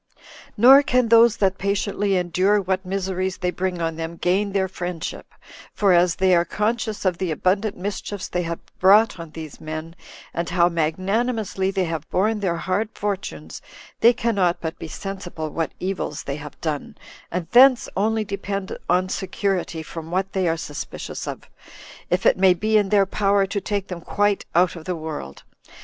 Nor can those that patiently endure what miseries they bring on them gain their friendship; for as they are conscious of the abundant mischiefs they have brought on these men, and how magnanimously they have borne their hard fortunes, they cannot but be sensible what evils they have done, and thence only depend on security from what they are suspicious of, if it may be in their power to take them quite out of the world.